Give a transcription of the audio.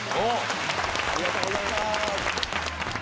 ありがとうございます。